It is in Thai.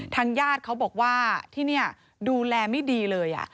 ทางญาติเขาบอกว่าที่นี่ดูแลไม่ดีเลย